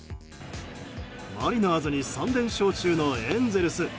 マリナーズに３連勝中のエンゼルス。